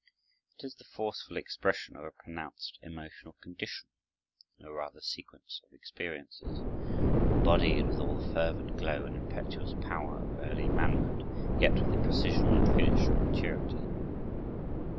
It is the forceful expression of a pronounced emotional condition, or rather, sequence of experiences, embodied with all the fervent glow and impetuous power of early manhood, yet with the precision and finish of maturity.